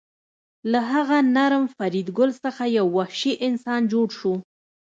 له هغه نرم فریدګل څخه یو وحشي انسان جوړ شو